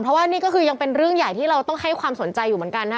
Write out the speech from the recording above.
เพราะว่านี่ก็คือยังเป็นเรื่องใหญ่ที่เราต้องให้ความสนใจอยู่เหมือนกันนะ